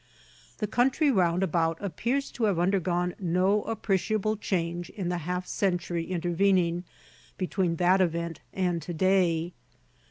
The country round about appears to have undergone no appreciable change in the half century intervening between that event and to day.